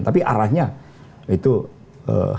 tapi arahnya itu hak konstitusi